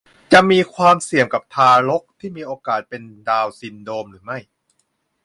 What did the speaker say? จะมีความเสี่ยงกับทารกที่มีโอกาสเป็นดาวน์ซินโดรมหรือไม่